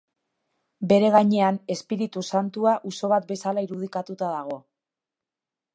Bere gainean, Espiritu Santua uso bat bezala irudikatuta dago.